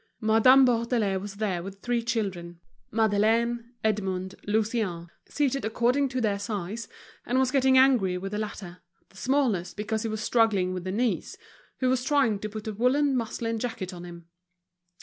Madame Bourdelais was there with her three children, Madeleine, Edmond, Lucien, seated according to their size, and was getting angry with the latter, the smallest, because he was struggling with Denise, who was trying to put a woollen muslin jacket on him.